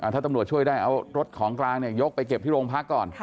ถ้าตำรวจช่วยได้เอารถของกลางยกไปเก็บที่โรงพักก่อน